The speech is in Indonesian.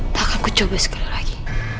tak akan kucoba sekali lagi